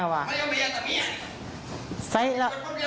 พันธุ์พันธุ์พื้นมันยอมใหญ่ทำเมีย